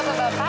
kok tutup sih